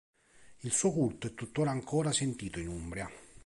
Il suo culto è tuttora ancora sentito in Umbria.